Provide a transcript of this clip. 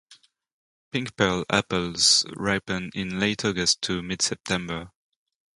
'Pink Pearl' apples ripen in late August to mid-September.